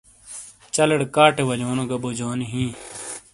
چلیڑے کاٹے ولیونو گہ بوجنی ہِیں۔